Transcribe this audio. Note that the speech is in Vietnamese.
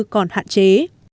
còn hạn chế